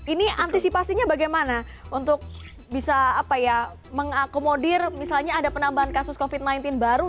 ini antisipasinya bagaimana untuk bisa mengakomodir misalnya ada penambahan kasus covid sembilan belas baru